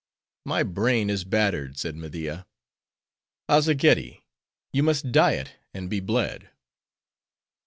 "My brain is battered," said Media. "Azzageddi! you must diet, and be bled."